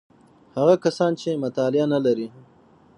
هغه کسان چې مطالعه نلري: